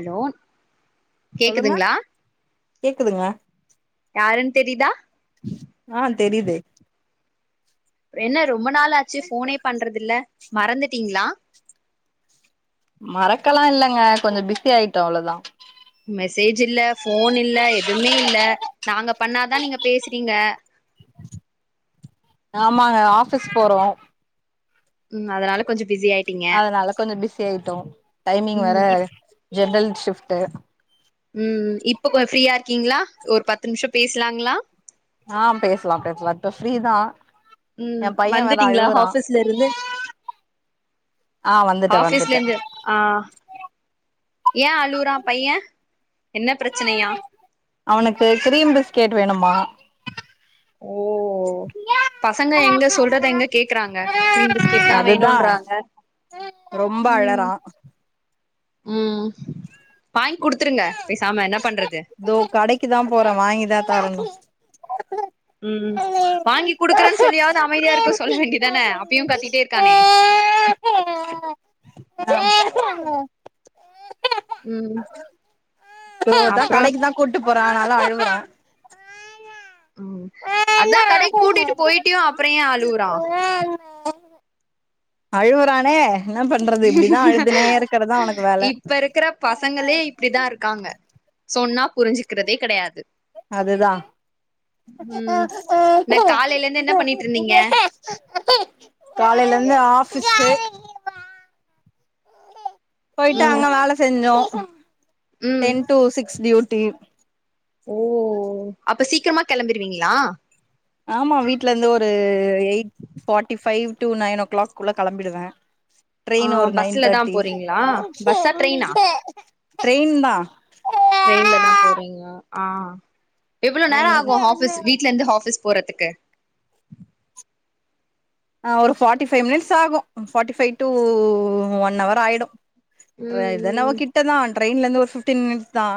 hello சொல்லுங்க கேக்குதுங்ளா கேக்குதுங்க யாருன்னு தெரிதா ஆ தெரியுது என்ன ரொம்ப நாள் ஆச்சு ஃபோனே பண்றதில்ல மறந்துட்டீங்ளா மறக்கல்லா இல்லங்க கொஞ்ச பிஸி ஆயிட்டோ அவ்ளதா மெசேஜ் இல்ல ஃபோன் இல்ல எதுமே இல்ல நாங்க பண்ணாதா நீங்க பேசுறீங்க ஆமாங்க ஆஃபீஸ் போறோ ம் அதனால கொஞ்சம் பிஸி ஆயிட்டீங்க அதனால கொஞ்ச பிஸி ஆயிட்டோ டைமிங் வேற ம் இப் ஜென்ரல் ஷிப்டு ம் இப்பகொஞ் ஃப்ரியா இருக் கீங்ளா ஒரு பத்து நிமிஷம் பேசலாங்ளா ஆம் பேசலாம் பேசலாம் இப்ப பிரீதா ம் வந்துட்டிங்களா ஆபீஸ்ல இருந்து ஆ வந்துட்ட ஆபீஸ்ல வந்துட்ட இருந்து ஆ ஏ அழுறா பைய என்ன பிரச்சனையா அவனுக்கு கிரீம் பிஸ்கட் வேணும்மா ஓ பசங்க எங்க சொல்றத எங்க கேக்குறாங்க கிரீம் பிஸ்கட்தா அதுதா வேணும்ன்றாங்க ரொம்ப ம் அழறா ம் வாங்கி குடுத்துருங்க பேசாம என்ன பண்றது தோ கடைக்குதா போற வாங்கிதா தரணும் [unintelligible] ம் வாங்கி குடுக்குறன்னு சொல்லியாவது அமைதியா இருக்க சொல்ல வேண்டிதானே அப்பயும் கத்திட்டே இருக்கானே சங்க ம் தோ அப்றோ கடைக்குதா கூட்டு [unintelligible] அழுவுறா ம் அதா கடைக்கு கூட்டிட்டு போயிட்டியு அப்புற ஏ அழுவுறா அழுவுரானே அவனுக்கு வேல இப்ப இருக்கற பசங்களே இப்படிதா இருக்காங்க சொன்னாப் புரிஞ்சுக்கிறதே கிடையாது அதுதான் ம் என்ன காலையில இருந்து என்ன பண்ணிட்டு இருந்தீங்க காலலிருந்து ஆப் போயிட்டு ம் அங்க வேலை செஞ்சோம் ஆ ம் டென் டூ சிக்ஸ் டியூட் டேவ் ஓ அப்ப சீக்கிரமா கெளம்பிருவீங்களா ஆமா வீட்லருந்து ஒரு eight forty five to nine o'clock குள்ள கெளம்பிடுவ ஆ ட்ரெயின் ஒரு நைன் பஸ்ல தா தர்ட்டி போறீங்களா பஸ்ஸா ட்ரெயினா ட்ரெயின் தா ட்ரெய்ன்ல தா போறீங்க ஆ எவ்ளோ நேரோ ஆகு ஆஃபிஸ் நைன் வீட்ல இருந்து ஆஃபிஸ் போறத்துக்கு ஆ ஒரு ஃபார்ட்டி ஃபைவ் மினிட்ஸ் ஆகு forty five to one hour ஆயிடு ட்ற இதென்னவோ ம் ம் கிட்டதா ட்ரெயின்லருந்து ஒரு ஃபிப்டீன் மினிட்ஸ் தா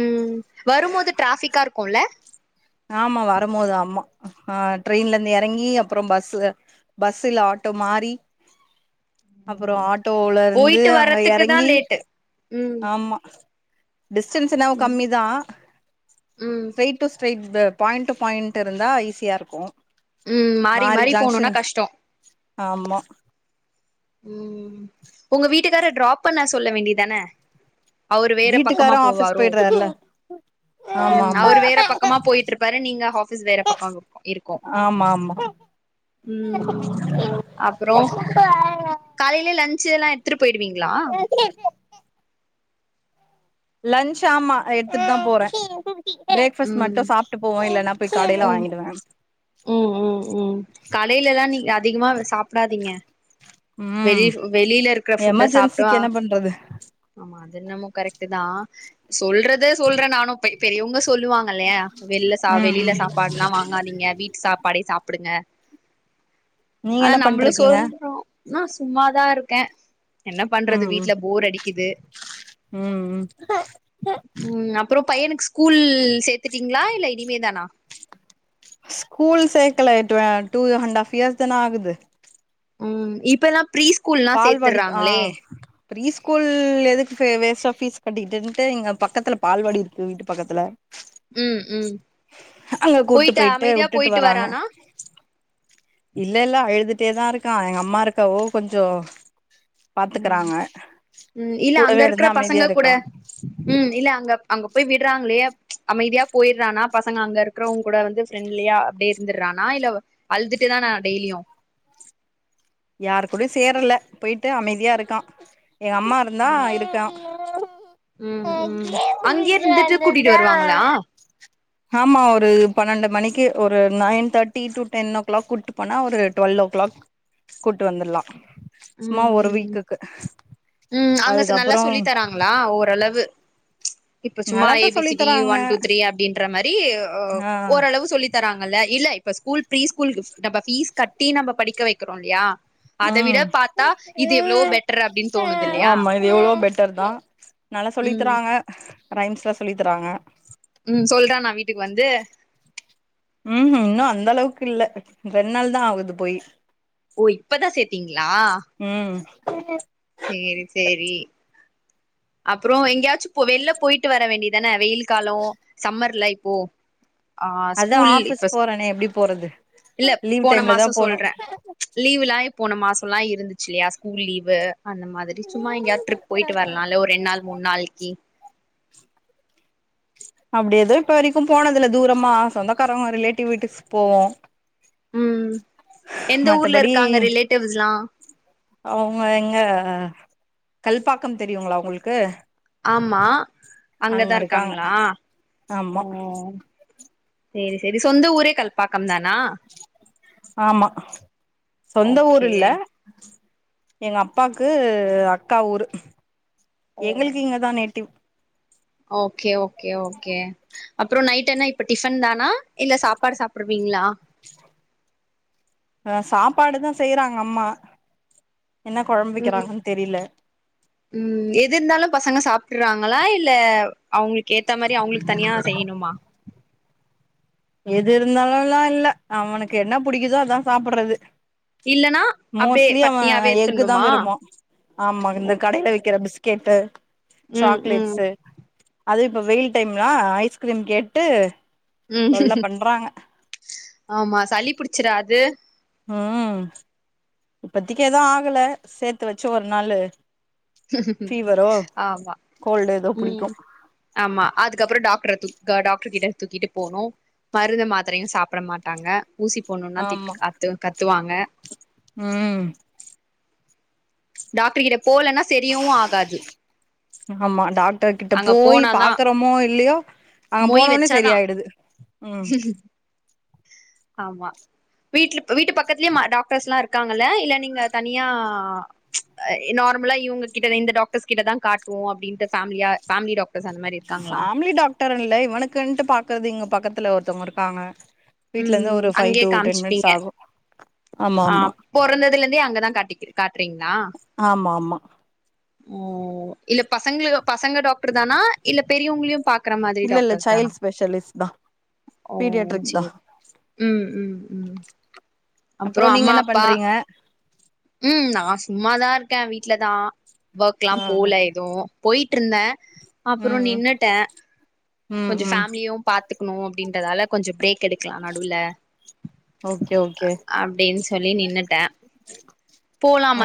ம் வரும் போது ட்ராஃபிக்கா இருக்குல்ல ஆமா வரும்போது ஆமா ஆ ட்ரெயின்ல இருந்து எறங்கி அப்றோ பஸ் பஸ் இல்ல ஆட்டோ மாறி அப்றோ ஆட்டோல இருந்து போயிட்டு அங்க வர்றதுக்கு தா எறங்கி லேட்டு ம் ஆமா டிஸ்டன்ஸ் என்னவோ கம்மி தா ம் straight to straight the point to point இருந்தா ஈஸியா இருக்கு ம் மாறி மாறி போணுனா கஷ்டோ ஆமா ம் உங்க வீட் டுக்கார ட்ராப் பண்ண சொல்ல வேண்டியதான அவரு வேற பக்கமா வீட்டுக்காரு ஆஃபீஸ் போவாரோ போயிட்றாருல ஆமா ம் ஆமா அவரு வேற பக்கமா போய்ட்ருப்பாரு நீங்க ஆஃபிஸ் வேற பக்க இருக் இருக்கு ஆமா ஆமா ம் ம் அப்றோ டெய்லி லன்ச்சு இதல்லா எடுத்துட்டு போய்டுவீங்ளா லன்ச் ஆமா எடுத்துட்டு தா போற ப்ரேக்ஃபாஸ்ட் மட்டு ம் சாப்ட்டு போவ இல்லன்னா போய் கடையில ம் வாங்கிடுவே ம் ம் ம் கடையில எல்லா நீங்க அதிகமா சாப்டாதீங்க ம் வெளி வெளியில இருக்குற ஃபுட்ட சாப்டா எமர்ஜென்சிக்கு என்ன பண்றது ஆமா அது என்னமோ கரெக்ட்டு தா சொல்றத சொல்ற நான் ப பெரியவுங்க சொல்லுவாங்க இல்லையா வெளில சா ம் வெளியில ம் சாப் சாப்பாடு எல்லா வாங்காதீங்க வீட்டு சாப்பாடே சாப் சாப்புடுங்க நீங்க ஆனா என்ன நம்மளு பண்ட்ருக்கீங்க சொல்றோ நா சும்மாதா இருக்கே என்ன பண்றது ம் ம் வீட்ல போர் அடிக் கிது ம் ம் ம் அப்றோ பையனுக்கு ஸ்கூல் சேத்துட்டீங்களா இல்ல இனிமே தானா ஸ்கூல் சேக்கல two two and half years தான ஆகுது ம் இப்பலாம் ஃபீரி ஸ்கூல் எல்லா பால்வாடி ஆ சேத்துறாங்களே ப்ரீ ஸ்கூல் எதுக்கு வேஸ்ட்டா ஃபீஸ் கட்டிக்கிட்டுன்ட்டு இங்க பக்கத்தல பால்வாடி இருக்கு வீட்டு பக்கத்துல ம் ம் அங்க கூட்டு போயிட்டு அமைதியா விட்டுட்டு போயிட்டு வராங்க வரானா ஒகே தான் இருக்கான் எங்க அம்மா இருக்கவோ கொஞ்சோ ம் பாத்துக்கறாங்க ம் இல்ல அங்க கூடவே இருக்கற இருந்து பசங்க அமைதியா கூட இருக்கா ம் இல்ல அங்க அங்க போய் விடறாங்களே அமைதியா போயிடுறானா பசங்க அங்க இருக்கறவங்க கூட வந்து ஃப்ரெண்ட்லியா அப்பிடியே இருந்துடுறானா இல்ல அழுதுட்டு தான டெய்லியும் யாரு கூடயும் சேரல போயிட்டு அமைதியா இருக்கா எ அம்மா இருந்தா இருக்கா ம் ம் அங்கேயே இருந்துட்டு கூட்டிட்டு வருவாங்களா ஆமா ஒரு பனெண்டு மணிக்கு ஒரு nine thirty to ten o'clock கூட்டு போனா ஒரு டுவெல் ஓ கிளாக் கூட்டு வந்துலாம் சும்மா ஒரு வீக்குக்கு உம் அங்க நல்லா அதுக்கப்புறோ சொல்லி தராங்களா ஓரளவு இப்ப சும்மா ஏ நல்லாதா பி சொல்லி சி டி தராங்க ஒன் டூ த்ரீ அப்படின்ற மாதிரி அ ஆ ஓரளவு சொல்லி தராங்கல்ல இல்ல இப்ப ஸ்கூல் ப்ரீஸ்கூல் நம்ம ஃபீஸ் கட்டி நம்ம படிக்க வைக்கறோம் இல்லயா அத விட ம் பார்த்தா இது எவ்வளோ பெட்டர் அப்படின்னு தோணுதில்லயா ஆமா இது எவ்ளோ பெட்டர் தா நல்லா சொல்லி தறாங்க ரைம்ஸ்லாம் சொல்லி தராங்க உம் சொல்றனா வீட்டுக்கு வந்து உம் ம் இன்னும் அந்த அளவுக்கு இல்ல ரெண்நாள் தா ஆகுது போய் ஓ இப்ப தா சேர்த்தீங்களா ம் சேரி சேரி அப்பறம் எங்கேயாச்சும் வெளில போயிட்டு வர வேண்டிதானே வெயில் காலம் சம்மர்லை ஓ ஆஹ் அதா ஸ்கூல் ஆஃபீஸ் இப்பஸ் போறனே எப்டி போறது இல்ல லீவ் போன டைம்ல தா மாசோ போனு சொல்றே லீவுலாய் போன மாஸ் அப்புலா இருந்துச்சில்லையா ஸ்கூல் லீவு அந்த மாதிரி சும்மா எங்கயாத் ட்ரிப் பொயிட்டு வரல் அதுல ஒரு ரெண் நாள் மூண் நாள்க்கி அப்டி ஏதூ இப்ப வரைக்கு போனதில்ல தூரமா சொந்தக்காரங்கோ ரிலேட்டிவ் வீட்டுஸ்க் போவோ உம் எந்த ஊர்ல இருக்காங்க ரிலேட்டிவுஸ்லா அவொங்க எங்க கல்பாக்கம் தெரியுங்களா உங்களுக்கு ஆமா அங்க அங்கதா இருக்காங்க இருக்காங்ளா ஓ ஆமா சேரி சேரி சொந்த ஊரே கல்பாக்கம் தானா ஆமா சொந்த ஓகே ஊரில்ல எங்க அப்பாக்கூ அக்கா ஊரு ஓ எங்களுக்கு இங்கதா நேட்டிவ் ஓகே ஓகே ஓகே அப்றொ நைட் என்ன இப்ப டிபன் தானா இல்ல சாப்பாடு சாப்டுவீங்ளா அ சாப்பாடுதா செய்றாங் அம்மா என்ன கொழம்பு உம் வைக்கிறாங்கன்னு தெரில உம் எது இருந்தாலு பசங்க சாப் டுர்றாங்களா இல்ல அவங்ளுக் கேத்த மாரி அவங்ளுக்கு தனியா செய்யணுமா எது இருந்தாலுலா இல்ல அவனுக்கு என்ன புடிக்குதோ அதா சாப்புட்றது இல்லன்னா அப்டியே மோஸ்லி அவ பட்னியாவே எஃக்கு தா திண்ணுமா விரும்ப்வா ஆமா இந்த கடைல விக்கிற பிஸ்கெட்டு ம் ம் சாக்லேட்ஸ்ஸு அது இப்ப வெயில் டைம்லா ஐஸ்கிரீம் கேட்டு உம் தொல்ல பண்றாங்க ஆமா சளி புடிச்சிராது உம் இப்பத்திக்கி ஏதூ ஆகல சேத்து வச்சி ஒரு நாளு ஃபீவரோ ஆமா கோல்டு ஏதோ புடிக்கு உம் ஆமா அதுக்கப்றொ டாக்ட்ர து க டாக்ட்ரு கிட்ட தூக்கிட்டு போனு மருந்து மாத்ரையு சாப்ட மாட்டாங்க ஊசி போட்ணுனா ஆமா திக் அத்து கத்துவாங்க ம் டாக்ட்ரு கிட்ட போலன்னா சரியூ ஆகாது டர்கிட்ட அங்க போய் போனாதா பாக்குறமோ இல்லையோ அங்க மொய் போனோனே சரி வச்சாதா ஆயிடுது உம் ஆமா வீட்ல வீட்டு பக்கத்துலயே ம டாக்டர்ஸ்லா இருக்காங்கல இல்ல நீங்க தனியா அ நார்ம்லா இவங்க கிட்ட இந்த டாக்டர்ஸ் கிட்டதா காட்டுவோ அப்டின்டு பேம்லியா ஃபேமிலி டாக்டர் ஃபேமிலி டாக்டர் இல்ல இவனுக்குன்ட்டு பாக்குறது இங்க பக்கத்து பக்கத்துல ஒருத்தவங்க இருக்காங்க வீட்ல இருந்து ம் ஒரு ஃபைவ் அங்கயே டூ டென் மினிட்ஸ் காமிச்சுப்பீங்க ஆகும் ஆ பொறந்ததிலிருந்தே அங்கதான் காட்டக்குது ஆமா ஆமா ஓ இல்ல பசங்க பசங்க டாக்டர் தானா இல்ல பெரியவங்களையும் பா [inaudible] மாதிரி இல்ல இல்ல டாக்டர்ஸ் தானா சைல்ட் ஸ்பெஷலிஸ்ட் தா ஓ பீடியாட்ரிக் தா சரி அப்பறம் நீங்க என்ன பண்றீங்க ம் நான் சும்மாதான் இருக்கேன் வீட்லதான் ஆ ஒர்க்ல்லாம் போல எதுவும் போயிட்டு இருந்தேன் ம் அப்புறம் ம் நின்னுட்டன் ம் கொஞ்சம் ம் ஃபேமிலியும் பாத்துக்கணும் அப்டின்றதால கொஞ்சம் பிரேக் எடுக்கலாம் நடுவுல ஓகே ஓகே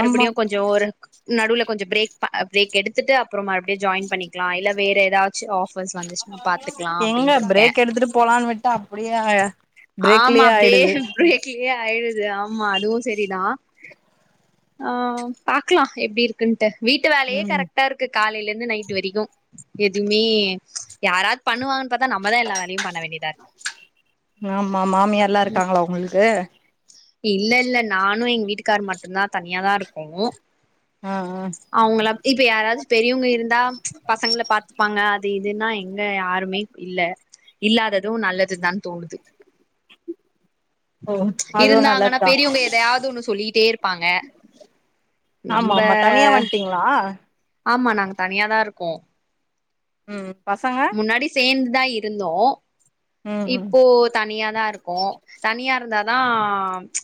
ஆமா நடுவுல கொஞ்சம் பிரேக் பிரேக் எடுத்துட்டு அப் அப்பறம் மறுபடியே ஜாயின் பண்ணிக்கலாம் இல்ல வேற ஏதாச்சு ஆபர்ஸ் வந்துச்சுன்னா பாத்துக்கலா எங்க அப்டின்னு இருக்கே பிரேக் எடுத்துட்டு போலான்னு விட்டா அப்படியே அ ஆமா பிரேக்லே அப்டியே ஆயிடுது பிரேக்லயே ஆயிடுது ஆமா அதுவும் சரிதான் ஆ வீட்டு வேலையே ம் கரெக்டா இருக்கு காலையில இருந்து நைட்டு் வரைக்கும் எதுவுமே யாராவது பண்ணுவாங்கணு பாத்தா நம்மாதான் எல்லா வேலயும் ஆமா மாமியார்ல்லாம் இருக்காங்களா உங்களுக்கு இல்ல இல்ல நானும் எங்க வீட்டுக்கார் மட்டும் தான் தனியாதான் இருக்கோம் ஆ ஆ அவுங்கள இப்ப யாராவது பெரியவங்க இருந்தா பசங்கள பாத்துப்பாங்க அது இதுன்னா எங்க யாருமே இல்ல இல்லாததும் நல்லதுதான் தோணுது ஓ அதுவு இருந்தாங்கன்னா நல்லதுதா பெரியவங்க எதையாவதுன்னு சொல்லிட்டே இருப்பாங்க ஆமா நம்ம ஆமா தனியா வந்ட்டீங்களா ஆமா நாங்க தனியாதான் இருக்கோம் ம் பசங்க தான் இருந்தோம் ம் ம் இப்போ தனியா தான் இருப்போம் தனியா இருந்தா தான்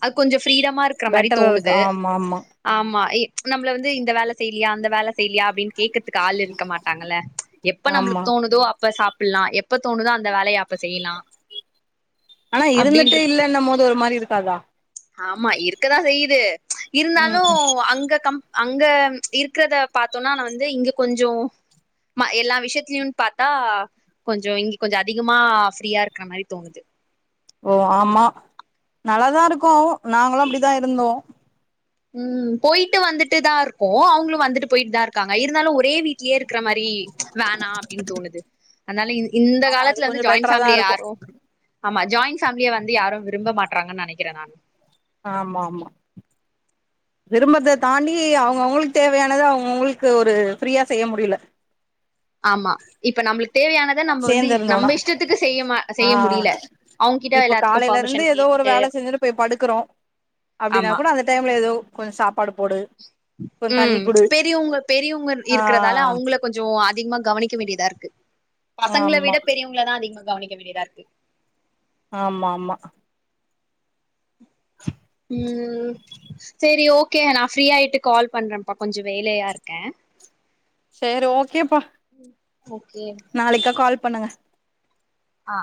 அது கொஞ்சம் ஃப்ரீடமா இருக்கிற மாரி பெட்டரா இருக்கு தோணுது ஆமா ஆமா ஆமா இப் நம்மள வந்து இந்த வேல செய் இயா அந்த வேலஸ் இல்லியா அப்டின்னு கேக்கறதுக்கு ஆள் இருக்க மாட்டாங்கல்ல எப்ப நம்மளுக்கு ஆமா தோணுதோ அப்ப சாப் ல்லா எப்ப தோணுதோ அந்த வேலையா ஆனா அப்டின்ற இருந்துட்டே இல்லன்னம்போது ஒரு மாரி இருக்காதா ஆமா இருக்கதா செய்யுது ம் இருந்தாலு ம் அங்க கம் அங்க இருக்கிறத பாத்தோன்னா ந வந்து இங்க கொஞ்ச ம எல்லா விஷயத்தலயும்னு பாத்தா கொஞ்ச இங்க கொஞ்ச அதிகமா ஃப்ரீயா இருக்குற மாரி தோணுது ஓ ஆமா நல்லாதா இருக்கு நாங்களு அப்படிதா இருந்தோ ம் போயிட்டு வந்துட்டுதா இருக்கோ அவங்களு வந்துட்டு போயிட்டுதா இருக்காங்க இருந்தாலு ஒரே வீட்டலேயே இரு இருக்குற மாரி வேணா அப்டின்னு தோணுது அன்னாலைக்குது இந்த ஆமா அது காலத்துல வந்து கொஞ்சோ ஜாயிண்ட் பெட்டரா தா பேமிலி இருக்கு யாரு அமா ஜாயின் பேமிலியே வந்து யாரு விரும்பமாட்றாங்க நெனைக்கிறே நானு ஆமா ஆமா திருமணத்தை தாண்டி அவங்கவுங்களுக்கு தேவையானத அவங்கவுங்களுக்கு ஒரு பிரியா செய்ய முடியல ஆமா இப்ப நம்முளுக் சேந்துருந்தோனா மா ஆ செய்ய முடியல அவங்கிட்ட இப்ப எல்லாத்துக்கும் காலையில இருந்து பர்மிஷன் ஏதோ ஒரு கேட்டுட்டு வேலை செஞ்சுட்டு போய் படுக்குறோ அப்டின்னா ஆமா கூட அந்த டைம்ல ஏதோ கொஞ்ச சாப்ட் அலுப்போடு ம் பெரியொவங்க பெரியொவங்க ஆ இருக்கிறதால அவங்கள கொஞ்ச அ அதிகமா கவனிக்க வேண்டியதாருக்கு பசங்கள ஆமா விட பெரியவங்கள தா அதிக கவனிக்க வேண்டியதாயிருக்கு ஆம்மா ஆமா [inaudible] ம் செரி ஓக்கே நா பிரியாயிட்டு கால் பண்றேன்ப்பா கொஞ்ச வேலையா இருக்கே செரி ஓக்கேப்பா ஓகே நாளைக்கா கால் பண்ணுங்க ஆ